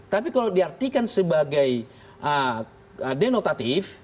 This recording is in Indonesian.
tapi kalau diartikan sebagai denotatif